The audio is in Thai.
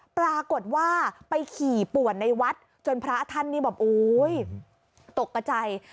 ปรากฏว่าไปขี่ป่วนในวัดจนพระท่านนี่แบบโอ๊ยตกกระใจ